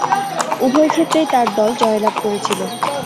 উভয়ক্ষেত্রেই তার দল জয়লাভ করেছিল।